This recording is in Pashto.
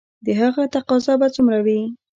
د هغه تقاضا به څومره وي؟